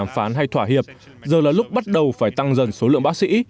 phán hay thỏa hiệp giờ là lúc bắt đầu phải tăng dần số lượng bác sĩ